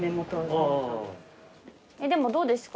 でもどうですか？